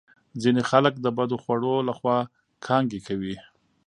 ځینې خلک د بدو خوړو له خوا کانګې کوي.